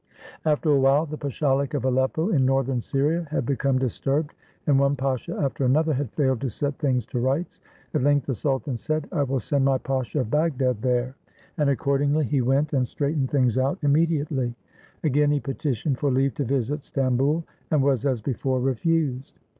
After a while, the pashalic of Aleppo, in Northern Syria, had become disturbed, and one pasha after an other had failed to set things to rights. At length the sultan said, "I will send my Pasha of Bagdad there"; 558 A TURKISH FRIENDSHIP and accordingly he went and straightened things out immediately. Again he petitioned for leave to visit Stamboul, and was, as before, refused.